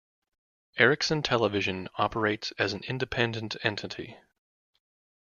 Ericsson Television operates as an independent entity.